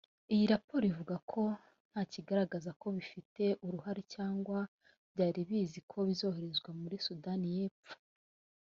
iyi raporo ivuga ko nta kigaragaza ko bifite uruhare cyangwa byari bizi ko zizoherezwa muri Sudani y’Epfo